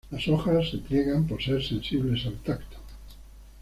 Las hojas se pliegan por ser sensibles al tacto.